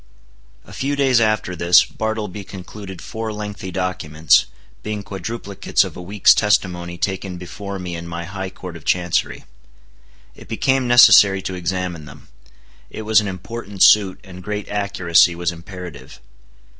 A few days after this, Bartleby concluded four lengthy documents, being quadruplicates of a week's testimony taken before me in my High Court of Chancery. It became necessary to examine them. It was an important suit, and great accuracy was imperative.